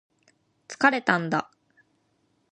疲れたんだ